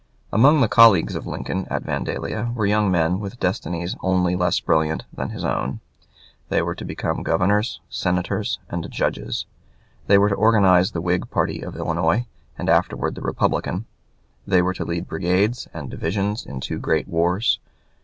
Among the colleagues of Lincoln at Vandalia were young men with destinies only less brilliant than his own. They were to become governors, senators, and judges; they were to organize the Whig party of Illinois, and afterwards the Republican; they were to lead brigades and divisions in two great wars.